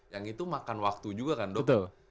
yang itu makan waktu juga kan dokter